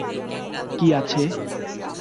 কী আছে?